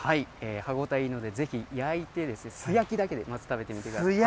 歯応えいいので、ぜひ焼いて、素焼きだけでまず食べてみてください。